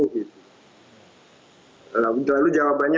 tapi kemudian hanya sedikit orang yang mengasihi